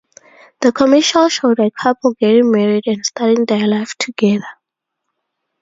The commercial showed a couple getting married and starting their life together.